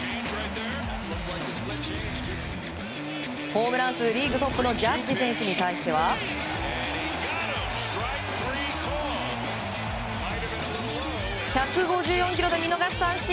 ホームラン数リーグトップの選手に対しては１５４キロで見逃し三振。